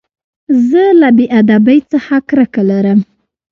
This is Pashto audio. زه له بېادبۍ څخه کرکه لرم.